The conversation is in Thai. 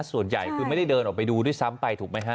ส่วนใหญ่คือไม่ได้เดินออกไปดูด้วยซ้ำไปถูกไหมฮะ